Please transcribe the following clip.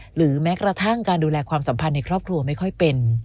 หรือแม้กระทั่งการดูแลความสัมพันธ์ในครอบครัวไม่ค่อยเป็น